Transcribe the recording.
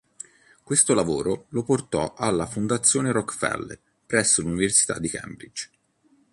Questo lavoro lo portò alla Fondazione Rockefeller presso l'Università di Cambridge.